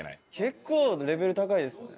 結構レベル高いですよね。